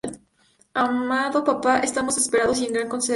Amado Papá, estamos desesperados y en gran consternación.